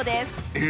え！